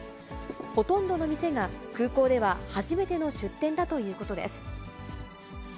ほとんどの店が、空港では初めての出店だということです。